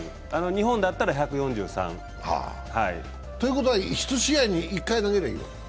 日本だったら１４３。ということは１試合に１回投げればいい？